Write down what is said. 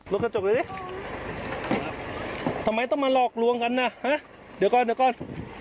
รถกระจกเลยดิทำไมต้องมาหลอกลวงกันนะเดี๋ยวก่อนเดี๋ยวก่อน